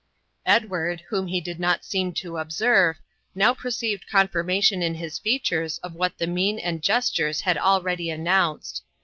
Edward, whom he did not seem to observe, now perceived confirmation in his features of what the mien and gestures had already announced.